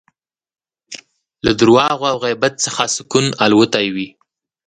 له درواغو او غیبت څخه سکون الوتی وي